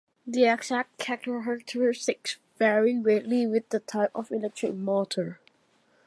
The exact characteristics vary greatly with the type of electric motor.